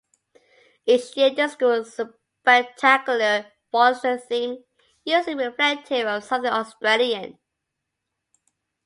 Each year the School Spectacular follows a theme, usually reflective of something Australian.